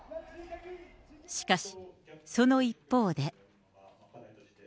しかし、その一方で。